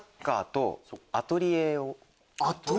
アトリエ？